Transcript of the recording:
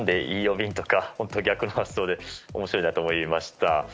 便とか逆の発想で面白いなと思いました。